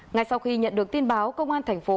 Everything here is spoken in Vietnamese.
ngay sau khi nhận được tin báo công an thành phố